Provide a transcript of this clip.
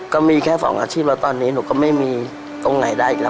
ก็มีแค่สองอาชีพแล้วตอนนี้หนูก็ไม่มีตรงไหนได้อีกแล้ว